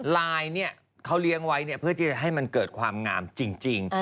ลายเนี่ยเขาเลี้ยงไว้เนี่ยเพื่อที่จะให้มันเกิดความงามจริง